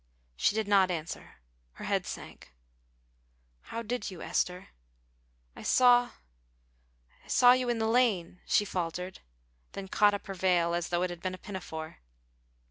She did not answer. Her head sank. "How did you, Esther?" "I saw you in the lane," she faltered, then caught up her veil as though it had been a pinafore.